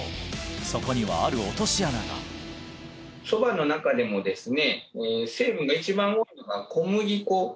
そこにはある落とし穴がそばの中でもですね